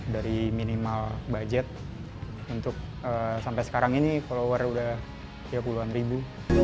dari minimal budget untuk sampai sekarang ini follower udah tiga puluh an ribu